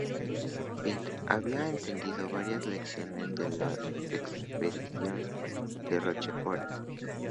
Pitt había aprendido varias lecciones de la expedición de Rochefort.